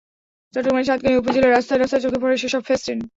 চট্টগ্রামের সাতকানিয়া উপজেলার রাস্তায় রাস্তায় চোখে পড়ে সেসব ফেস্টুন।